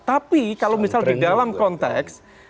tapi kalau misal di dalam konteks